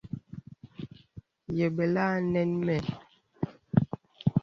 Yə bɔlaŋ a nɛŋ mə.